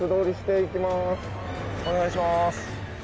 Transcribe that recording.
お願いします。